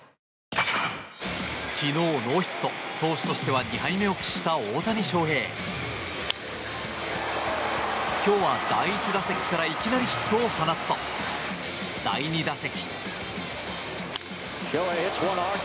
昨日、ノーヒット投手としては２敗目を喫した大谷翔平。今日は第１打席からいきなりヒットを放つと第２打席。